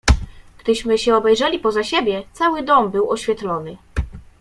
"Gdyśmy się obejrzeli poza siebie, cały dom był oświetlony."